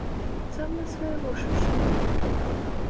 Сам на свае вушы чуў!